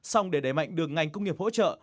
xong để đẩy mạnh được ngành công nghiệp hỗ trợ